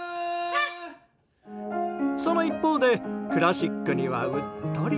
その一方でクラシックにはうっとり。